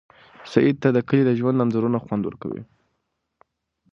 سعید ته د کلي د ژوند انځورونه خوند ورکوي.